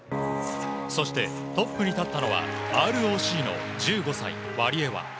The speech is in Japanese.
そして、トップに立ったのはＲＯＣの１５歳、ワリエワ。